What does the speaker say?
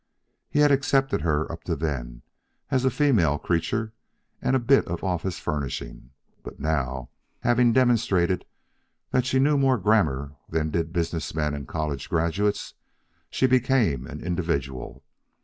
He had accepted her up to then, as a female creature and a bit of office furnishing. But now, having demonstrated that she knew more grammar than did business men and college graduates, she became an individual.